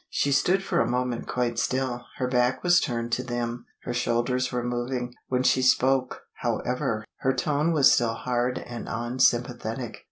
She stood for a moment quite still. Her back was turned to them, her shoulders were moving. When she spoke, however, her tone was still hard and unsympathetic.